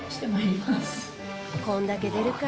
こんだけ出るか。